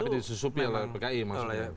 tapi disusupi oleh pki maksudnya